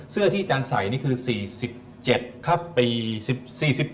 เสื้อที่อาจารย์ใส่นี่คือ๔๗ครับปี๑๔๑